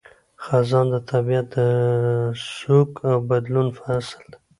خزان – د طبیعت د سوګ او بدلون فصل